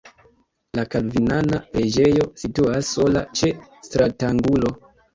La kalvinana preĝejo situas sola ĉe stratangulo.